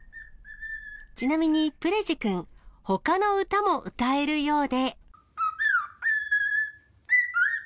ちなみにプレジくん、ほかの歌も歌えるようで。